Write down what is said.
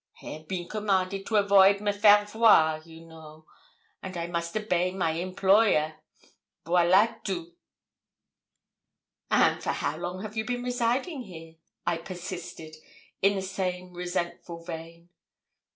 I have been commanded to avoid me faire voir, you know, and I must obey my employer voilà tout!' 'And for how long have you been residing here?' I persisted, in the same resentful vein.